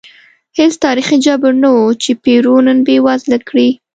هېڅ تاریخي جبر نه و چې پیرو نن بېوزله کړي.